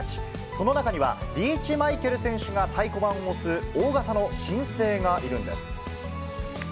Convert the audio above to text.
その中には、リーチマイケル選手が太鼓判を押す、大型の新星がいるんです。